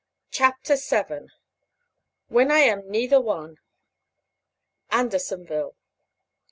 CHAPTER VII WHEN I AM NEITHER ONE ANDERSONVILLE.